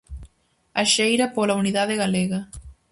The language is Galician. A xeira pola unidade galega.